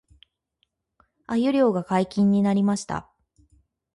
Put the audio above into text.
鮎漁が解禁になりました